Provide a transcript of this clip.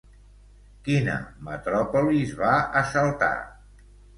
Quina metròpolis va assaltar?